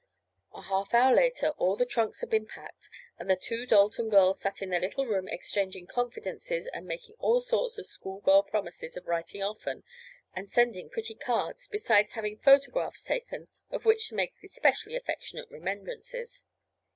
A half hour later all the trunks had been packed, and the two Dalton girls sat in their little room exchanging confidences and making all sorts of school girl promises of writing often, and sending pretty cards, besides having photographs taken of which to make especially affectionate remembrances.